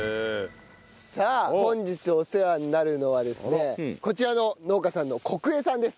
さあ本日お世話になるのはですねこちらの農家さんの小久江さんです。